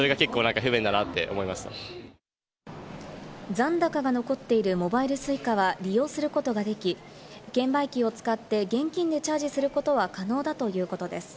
残高が残っているモバイルＳｕｉｃａは利用することができ、券売機を使って現金でチャージすることは可能だということです。